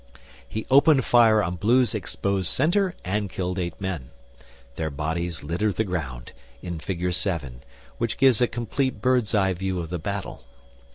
He opened fire on Blue's exposed centre and killed eight men. (Their bodies litter the ground in figure 7, which gives a complete bird's eye view of the battle.)